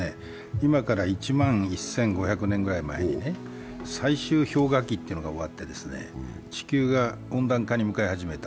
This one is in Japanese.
今から１万１５００年ぐらい前に、最終氷河期というのが終わって、地球が温暖化に向かい始めた。